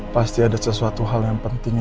pasti ada sesuatu hal yang penting